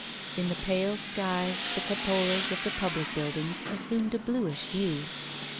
In the pale sky, the cupolas of the public buildings assumed a bluish hue.